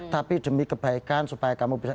tapi demi kebaikan supaya kamu bisa